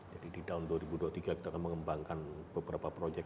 jadi di tahun dua ribu dua puluh tiga kita akan mengembangkan beberapa proyek